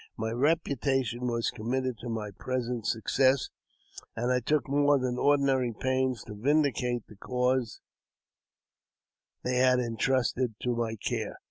My reputation was committed to my present success, and I took more than ordinary pains to vindicate the cause they had intrusted to my care.